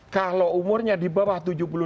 kalau umurnya di bawah tujuh puluh dua